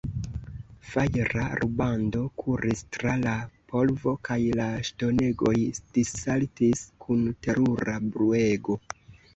Fajra rubando kuris tra la polvo, kaj la ŝtonegoj dissaltis kun terura bruego.